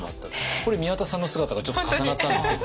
これ宮田さんの姿がちょっと重なったんですけど。